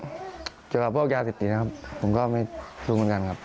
ก็เขาเล่นเกี่ยวกับพวกเจ้าสิทธินะครับผมก็ไม่รู้เหมือนกันครับ